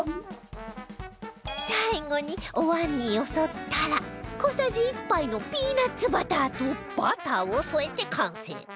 最後におわんによそったら小さじ１杯のピーナッツバターとバターを添えて完成